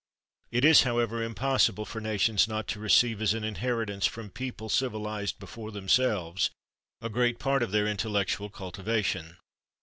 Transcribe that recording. It is, however, impossible for nations not to receive, as an inheritance from people civilised before themselves, a great part of their intellectual cultivation.